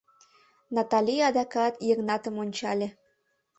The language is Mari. Натали адакат Йыгнатым ончале.